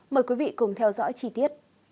mời quý vị cùng theo dõi chi tiết